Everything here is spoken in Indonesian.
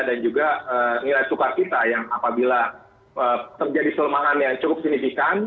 dan juga nilai sukar kita yang apabila terjadi selemahan yang cukup signifikan